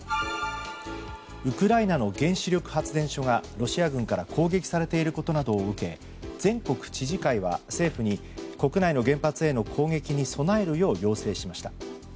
ウクライナの原子力発電所がロシア軍から攻撃されていることなどを受け全国知事会は政府に国内の原発への攻撃に備えるよう要請しました。